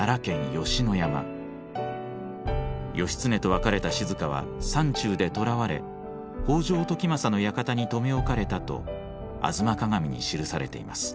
義経と別れた静は山中で捕らわれ北条時政の館に留め置かれたと「吾妻鏡」に記されています。